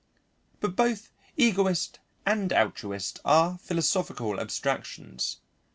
But both egoist and altruist are philosophical abstractions.